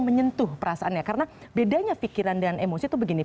menyentuh perasaannya karena bedanya pikiran dan emosi itu begini